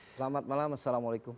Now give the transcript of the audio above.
selamat malam assalamualaikum